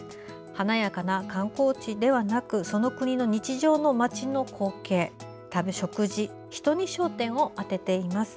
華やかな観光地ではなくその国の日常の街の光景、食事、人に焦点を当てています。